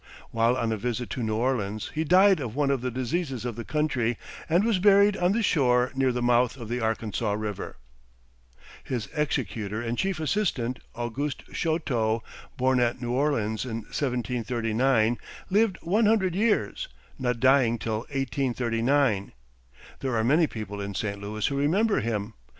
While on a visit to New Orleans he died of one of the diseases of the country, and was buried on the shore near the mouth of the Arkansas River. His executor and chief assistant, Auguste Chouteau, born at New Orleans in 1739, lived one hundred years, not dying till 1839. There are many people in St. Louis who remember him.